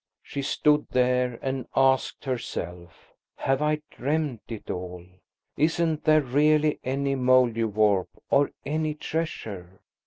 She stood there and asked herself, "Have I dreamed it all? Isn't there really any Mouldiwarp or any treasure?"